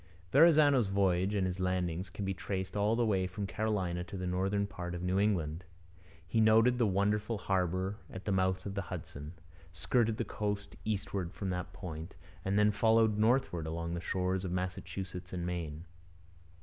Verrazano's voyage and his landings can be traced all the way from Carolina to the northern part of New England. He noted the wonderful harbour at the mouth of the Hudson, skirted the coast eastward from that point, and then followed northward along the shores of Massachusetts and Maine.